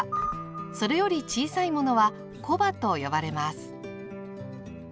それより小さいものは「小羽」と呼ばれます。